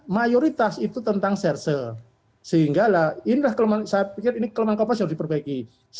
mayoritas itu tentang serse sehingga ini adalah saya pikir ini kelemahan kompolnas yang harus diperbaiki